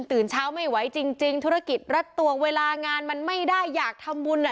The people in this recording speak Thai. ตื่นเช้าไม่ไหวจริงธุรกิจรัดตวงเวลางานมันไม่ได้อยากทำบุญ